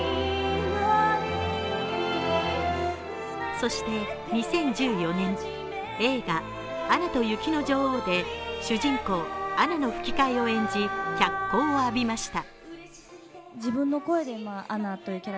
そして２０１４年、映画「アナと雪の女王」で主人公アナの吹き替えを演じ、脚光を浴びました。